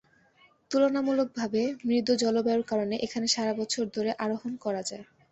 তুলনামূলকভাবে মৃদু জলবায়ুর কারণে এখানে সারা বছর ধরে আরোহণ করা যায়।